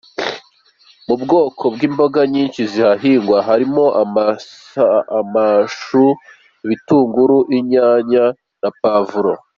Mu bwoko bw’imboga nyinshi zihahingwa harimo amashu, ibitunguru, inyanya na Puwavuro.